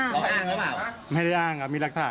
อ้างหรือเปล่าไม่ได้อ้างครับมีรักฐาน